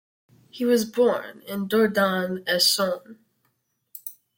He was born in Dourdan, Essonne.